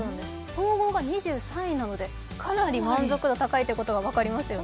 総合が２３位なのでかなり満足度が高いことが分かりますね。